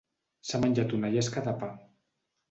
S'ha menjat una llesca de pa.